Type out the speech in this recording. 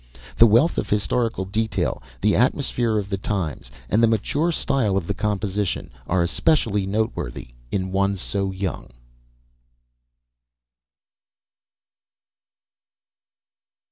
The wealth of historical detail, the atmosphere of the times, and the mature style of the composition are especially noteworthy in one so young.